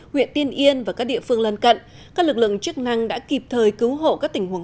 huyện tiên yên và các địa phương lân cận các lực lượng chức năng đã kịp thời cứu hộ các tình huống